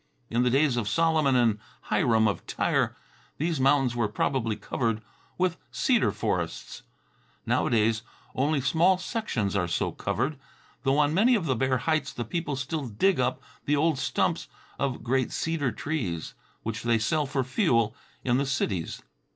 In the days of Solomon and Hiram of Tyre these mountains were probably covered with cedar forests. Nowadays only small sections are so covered, though on many of the bare heights the people still dig up the old stumps of great cedar trees, which they sell for fuel in the cities.